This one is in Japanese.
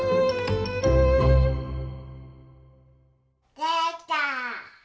できた。